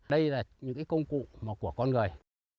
đây là những cái công cụ của con người